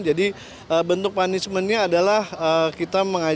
jadi bentuk punishment nya adalah kita memberitahu saja